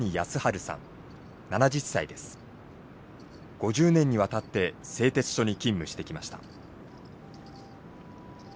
５０年にわたって製鉄所に勤務してきました。